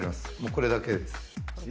これだけです。